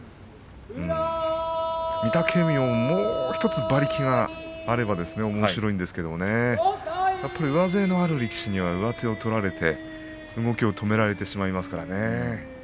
御嶽海も、もう１つ馬力があればおもしろいんですけど、上背のある力士には上手を取られて、動きを止められてしまいますからね。